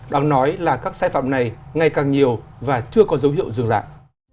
đáng nói là các xe phạm này ngày càng nhiều và chưa có dấu hiệu dường lại